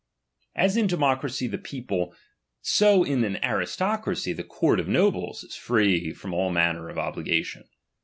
As in democracy the people, so in an aristo i" cracy the court of nobles is free from all maimer of ui obligation.